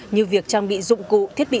như việc trang bị dụng cụ thiết bị